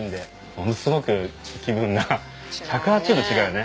ものすごく気分が１８０度違うよね。